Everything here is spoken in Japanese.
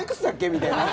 みたいな。